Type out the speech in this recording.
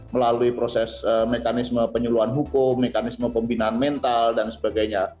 melalui proses mekanisme penyuluan hukum mekanisme pembinaan mental dan sebagainya